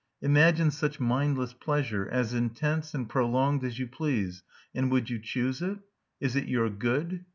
Imagine such mindless pleasure, as intense and prolonged as you please, and would you choose it? Is it your good?